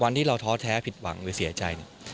วันที่เราท้อแท้ผิดหวังหรือเสียใจเนี่ย